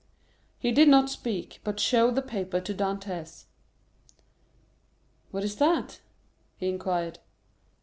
He did not speak, but showed the paper to Dantès. "What is that?" he inquired.